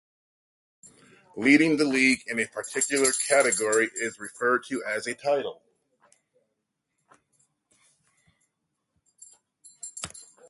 Leading the league in a particular category is referred to as a "title".